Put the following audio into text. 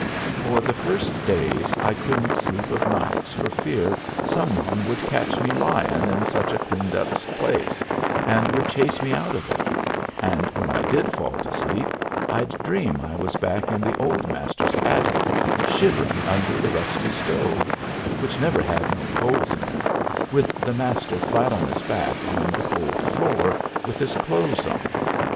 For the first days I couldn't sleep of nights for fear some one would catch me lying in such a cleaned up place, and would chase me out of it; and when I did fall to sleep I'd dream I was back in the old Master's attic, shivering under the rusty stove, which never had no coals in it, with the Master flat on his back on the cold floor, with his clothes on.